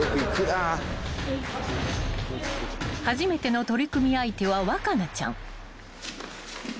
［初めての取組相手は羽華那ちゃん］